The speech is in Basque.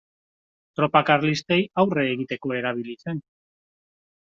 Tropa karlistei aurre egiteko erabili zen.